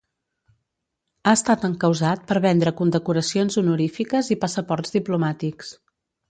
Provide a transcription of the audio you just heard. Ha estat encausat per vendre condecoracions honorífiques i passaports diplomàtics.